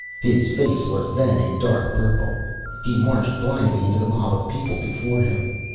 His face was then a dark purple. He marched blindly into the mob of people before him.